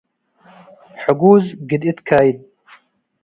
ሕጉዝ ግድእት ካይድ